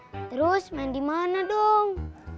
terus main di mana dong